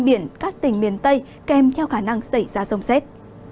biển các tỉnh miền tây kèm theo khả năng xảy ra rông xét